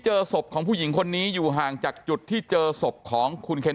เจอศพของผู้หญิงคนนี้อยู่ห่างจากจุดที่เจอศพของคุณเคน